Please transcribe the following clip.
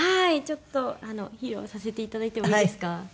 ちょっと披露させていただいてもいいですか？